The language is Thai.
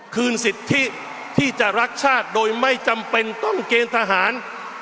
สิทธิที่จะรักชาติโดยไม่จำเป็นต้องเกณฑ์ทหาร